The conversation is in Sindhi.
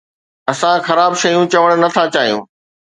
اسان خراب شيون چوڻ نٿا چاهيون